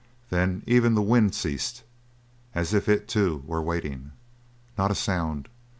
Then even the wind ceased; as if it, too, were waiting. Not a sound.